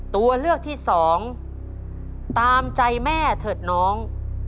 ตัวเลือกที่สองตามใจแม่เถอะน้อง